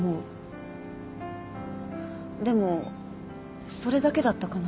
でもそれだけだったかな？